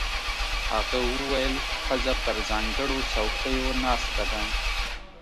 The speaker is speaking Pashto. هغه وویل ښځه پر ځانګړو څوکیو ناسته ده.